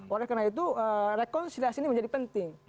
oleh karena itu rekonsiliasi ini menjadi penting